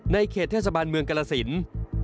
ในเขตเทศบาลเมืองกรสินทร์